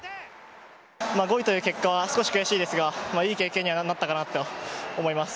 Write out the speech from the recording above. ５位という結果は少し悔しいですが、いい経験にはなったかなと思います。